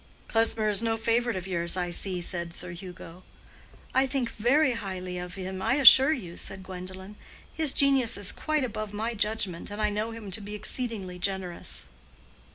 "Klesmer is no favorite of yours, I see," said Sir Hugo. "I think very highly of him, I assure you," said Gwendolen. "His genius is quite above my judgment, and I know him to be exceedingly generous."